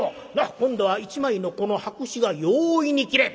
今度は１枚のこの白紙が容易に切れん。